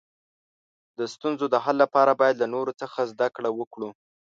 د ستونزو د حل لپاره باید له نورو څخه زده کړه وکړو.